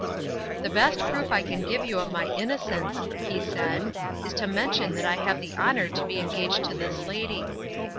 " The best proof I can give you of my inno cence," he said, " is to mention that I have the honor to be engaged to this lady."